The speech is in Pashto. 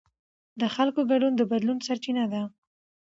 د خلکو ګډون د بدلون سرچینه ده